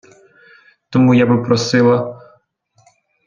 Тому я би просила...